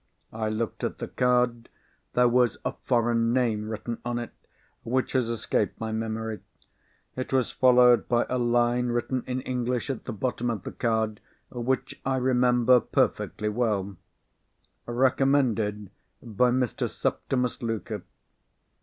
I looked at the card. There was a foreign name written on it, which has escaped my memory. It was followed by a line written in English at the bottom of the card, which I remember perfectly well: "Recommended by Mr. Septimus Luker."